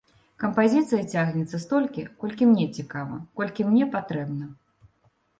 Кампазіцыя цягнецца столькі, колькі мне цікава, колькі мне патрэбна.